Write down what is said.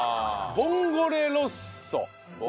ボンゴレロッソ？